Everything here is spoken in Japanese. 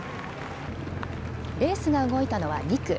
レースが動いたのは２区。